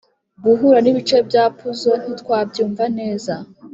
guhura nibice bya puzzle ntitwabyumva neza.